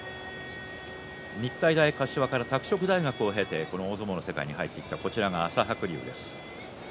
日体大柏から拓殖大学を経てこの大相撲の世界に入ってきた朝白龍です。